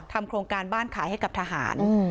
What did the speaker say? โครงการบ้านขายให้กับทหาร